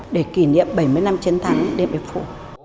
để kỷ niệm bảy mươi năm chiến thắng điện biên phủ